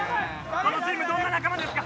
このチームどんな仲間ですか？